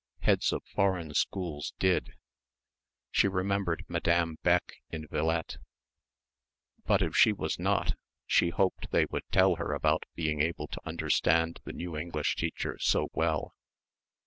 Heads of foreign schools did. She remembered Madame Beck in "Villette." But if she was not, she hoped they would tell her about being able to understand the new English teacher so well.